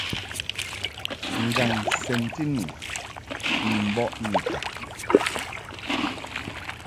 Ngaŋ sɛnti nu ni mbɔʼ Nyikɔb.